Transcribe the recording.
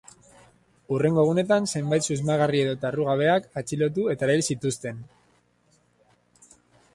Hurrengo egunetan zenbait susmagarri edota errugabeak atxilotu eta erail zituzten.